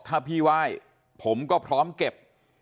ถ้าพี่ไหว้ผมก็พร้อมเก็บ